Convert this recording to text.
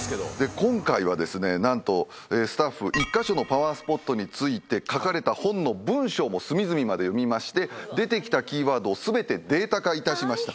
今回はですね何とスタッフ１カ所のパワースポットについて書かれた本の文章も隅々まで読みまして出てきたキーワードを全てデータ化いたしました。